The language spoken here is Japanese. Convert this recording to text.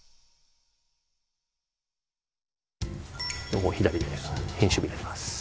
ここを左で編集部になります。